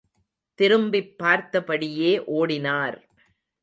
திரும்பிப் பார்த்தபடியே ஓடினார்.